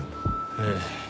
ええ。